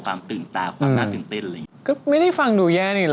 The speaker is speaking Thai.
ความตื่นตาความส้าตื่นเต้นอ่ะพี่พี่หวังมี